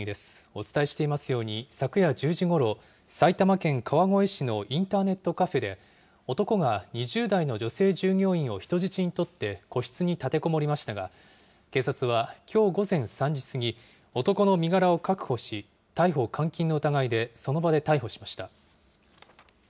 お伝えしていますように、昨夜１０時ごろ、埼玉県川越市のインターネットカフェで、男が２０代の女性従業員を人質にとって個室に立てこもりましたが、警察はきょう午前３時過ぎ、男の身柄を確保し、逮捕監禁の疑いでその場で逮捕しました。